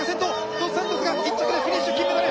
ドス・サントスが１着でフィニッシュ金メダル！